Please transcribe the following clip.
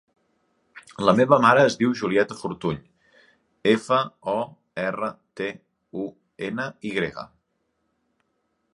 La meva mare es diu Julieta Fortuny: efa, o, erra, te, u, ena, i grega.